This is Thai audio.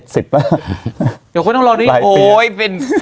เดี๋ยวก็ต้องรอดูโอ๊ยเป็น